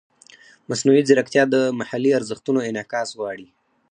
مصنوعي ځیرکتیا د محلي ارزښتونو انعکاس غواړي.